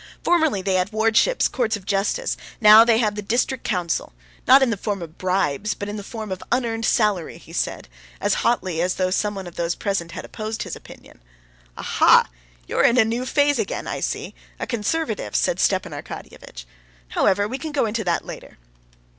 Formerly they had wardships, courts of justice, now they have the district council—not in the form of bribes, but in the form of unearned salary," he said, as hotly as though someone of those present had opposed his opinion. "Aha! You're in a new phase again, I see—a conservative," said Stepan Arkadyevitch. "However, we can go into that later."